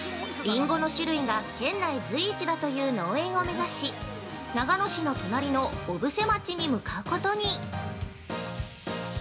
◆りんごの種類が県内随一だという農園を目指し、長野市の隣の小布施町に向かうことに。